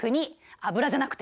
油じゃなくて。